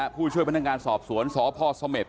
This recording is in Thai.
ผู้ช่วยพนักงานสอบสวนสพสเมษ